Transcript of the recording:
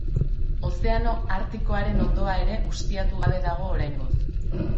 Ozeano Artikoaren hondoa ere ustiatu gabe dago oraingoz.